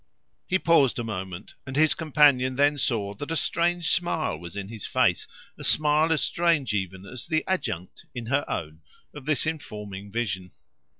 He paused a moment, and his companion then saw how strange a smile was in his face a smile as strange even as the adjunct in her own of this informing vision.